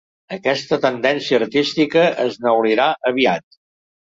Aquesta tendència artística es neulirà aviat.